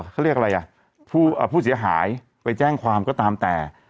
เขาเรียกอะไรอ่ะผู้เสียหายไปแจ้งความก็ตามแต่